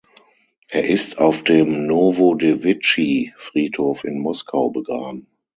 Er ist auf dem Nowodewitschi-Friedhof in Moskau begraben.